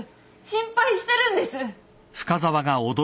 心配してるんです！